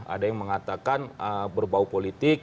ada yang mengatakan berbau politik